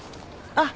あっ。